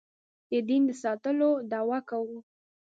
د دین د ساتلو دعوه کوو.